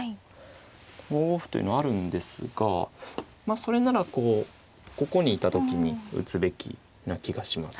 ５五歩というのはあるんですがまあそれならこうここにいた時に打つべきな気がします。